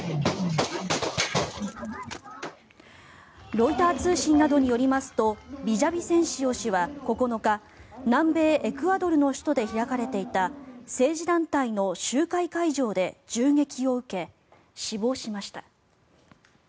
ロイター通信などによりますとビジャビセンシオ氏は９日南米エクアドルの首都で開かれていた政治団体の集会会場で銃撃を受け、死亡しました。